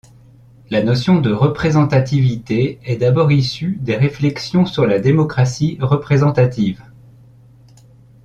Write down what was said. La notion de représentativité est d'abord issue des réflexions sur la démocratie représentative.